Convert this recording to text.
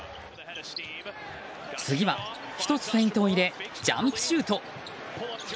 次は１つフェイントを入れジャンプシュート！